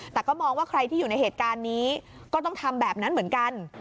แต่ก็มองว่าใครที่อยู่ในเหตุการณ์นี้ก็ต้องทำแบบนั้นเหมือนกัน